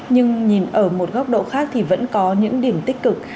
nhưng nhìn ở một góc độ khác thì vẫn có những điểm tích cực